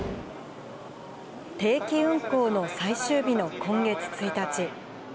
定期運行の最終日の今月１日。